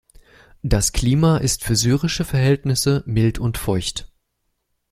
Das Klima ist für syrische Verhältnisse mild und feucht.